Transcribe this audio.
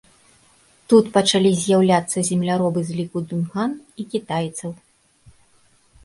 Тут пачалі з'яўляцца земляробы з ліку дунган і кітайцаў.